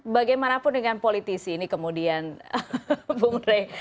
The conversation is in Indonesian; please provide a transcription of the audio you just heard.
bagaimanapun dengan politisi ini kemudian bung rey